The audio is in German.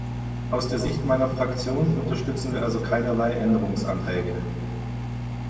Aus der Sicht meiner Fraktion unterstützen wir also keinerlei Änderungsanträge.